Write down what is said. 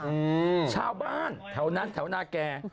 อืมชาวบ้านแถวนั้นแถวนาแก่